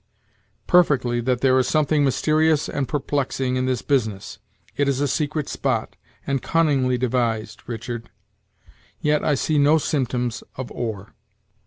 "Perfectly, that there is something mysterious and perplexing in this business. It is a secret spot, and cunningly devised, Richard; yet I see no symptoms of ore."